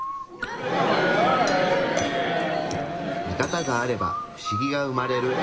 ミカタがあればフシギが生まれる。